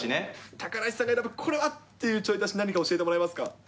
高梨さんが選ぶ、これはっていうちょい足し、何か教えてもらえますか？